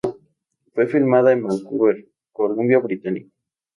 Fue filmada en Vancouver, Columbia Británica.